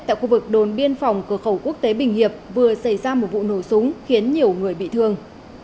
tại khu vực đồn biên phòng cửa khẩu quốc tế bình hiệp vừa xảy ra một vụ nổ súng khiến nhiều người bị thương